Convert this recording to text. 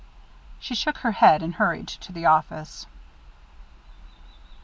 She shook her head and hurried to the office.